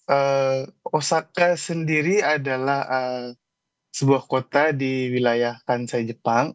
eee osaka sendiri adalah sebuah kota di wilayah kansai jepang